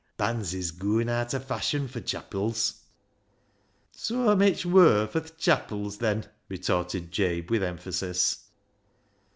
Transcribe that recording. bands is gooin' aat o' fashion fur chapils." " Soa mitch wur fur th' chapils, then," retorted Jabe with emphasis.